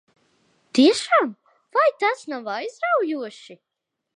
Tiešām? Vai tas nav aizraujoši?